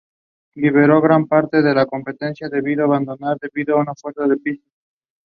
It is entirely in Black Hawk County.